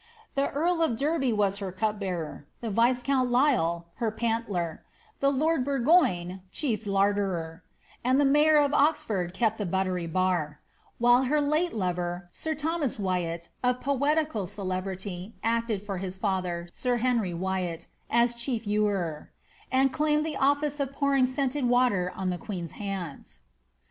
The earl of Derby was her cup bearer ; the viscount Lisle, her pantler ; the lord Burgoyne, chief larderer, and the mayor of Oxford kept the buttery bar ; while her late lover, sir Thomas Wyatt, of poetical celebrity, acted for his father, sir Henry Wyatt, as chief ewerer, and claimed the office of pouring scented water on the queen^s hands.